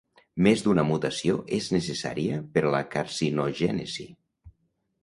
Més d'una mutació és necessària per a la carcinogènesi.